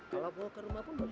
kalau mau ke rumah pun boleh